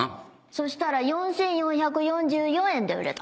そしたら４，４４４円で売れた。